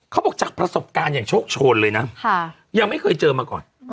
เขาบอกจากประสบการณ์อย่างโชคโชนเลยนะ